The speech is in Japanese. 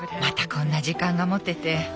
こんな時間が持てて